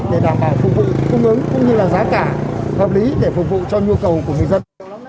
để đảm bảo phục vụ cung ứng cũng như là giá cả hợp lý để phục vụ cho nhu cầu của người dân